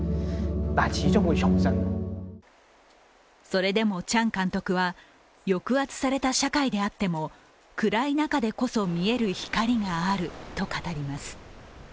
それでもチャン監督は、抑圧された社会であっても暗い中でこそ見える光があると語ります。